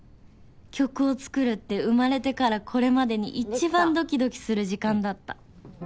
曲を作るって生まれてからこれまでに一番ドキドキする時間だった。